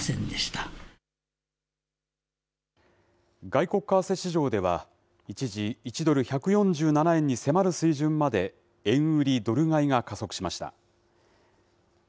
外国為替市場では、一時１ドル１４７円に迫る水準まで円売りドル買いが加速しました。